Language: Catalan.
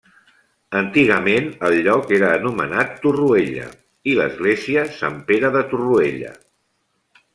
Antigament el lloc era anomenat Torroella, i l'església Sant Pere de Torroella.